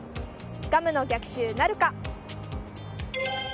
ガムの逆襲なるか。